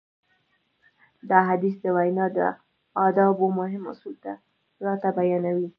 دا حديث د وينا د ادابو مهم اصول راته بيانوي.